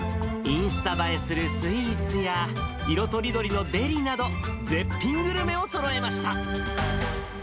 インスタ映えするスイーツや、色とりどりのデリなど、絶品グルメをそろえました。